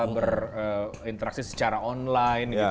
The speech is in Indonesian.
berinteraksi secara online gitu